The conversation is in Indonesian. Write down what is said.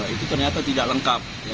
itu ternyata tidak lengkap